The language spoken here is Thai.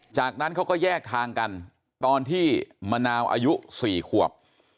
จากนั้นเขาก็แยกทางกันตอนที่มะนาวอายุ๔ขวบ